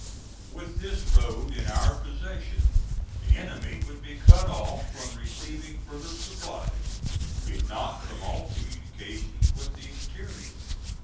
With this road in our possession, the enemy would be cut off from receiving further supplies, if not from all communication with the interior.